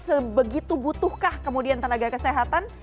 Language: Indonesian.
sebegitu butuhkah kemudian tenaga kesehatan